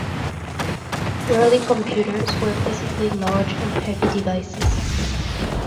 Early computers were physically large and heavy devices.